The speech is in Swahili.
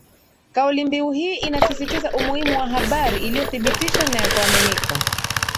Kaulimbiu hii inasisitiza umuhimu wa habari iliyothibitishwa na ya kuaminika